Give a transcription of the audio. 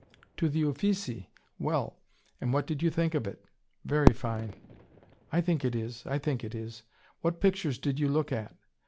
"To the Uffizi? Well! And what did you think of it?" "Very fine." "I think it is. I think it is. What pictures did you look at?"